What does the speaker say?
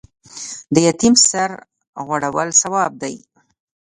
د یتیم سر غوړول ثواب دی